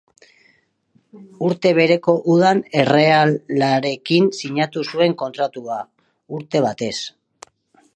Urte bereko udan errealarekin sinatu zuen kontratua, urte batez.